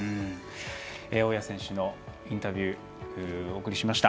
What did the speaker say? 大矢選手のインタビューお送りしました。